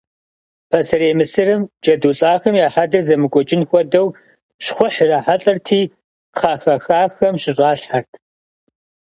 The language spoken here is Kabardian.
Пасэрей Мысырым джэду лӏахэм я хьэдэр зэмыкӏуэкӏын хуэдэу щхъухь ирахьэлӏэрти кхъэ хэхахэм щыщӏалъхэрт.